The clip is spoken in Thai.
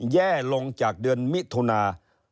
แย่ลงจากเดือนมิถุนา